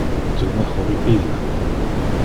Tu me horripila!